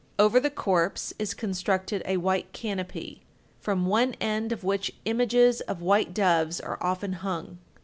Over the corpse is constructed a white canopy, from one end of which images of white doves are often hung.